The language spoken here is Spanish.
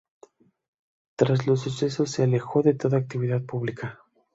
Tras los sucesos se alejó de toda actividad publica.